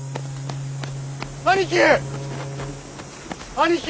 兄貴！